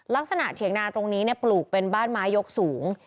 เถียงนาตรงนี้ปลูกเป็นบ้านไม้ยกสูง